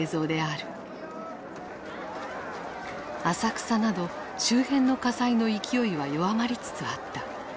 浅草など周辺の火災の勢いは弱まりつつあった。